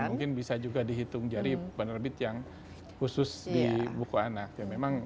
dan mungkin bisa juga dihitung dari penerbit yang khusus di buku anak